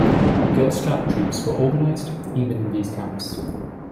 Girl Scout troops were organized, even in these camps.